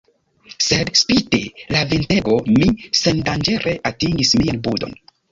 Sed, spite la ventego, mi sendanĝere atingis mian budon.